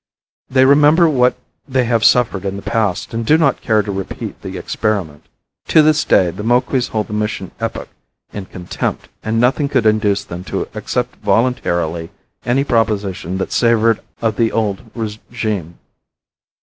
They remember what they have suffered in the past and do not care to repeat the experiment. To this day the Moquis hold the mission epoch in contempt and nothing could induce them to accept voluntarily any proposition that savored ought of the old regime.